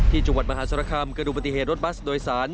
ที่จุงวัดมหาสรครามเกิดดูปฏิเหตุรถบัสโดยสาร